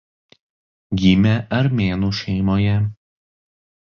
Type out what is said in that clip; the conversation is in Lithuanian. Gimė armėnų šeimoje.